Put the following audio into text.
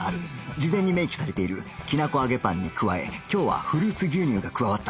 事前に明記されているきなこ揚げパンに加え今日はフルーツ牛乳が加わった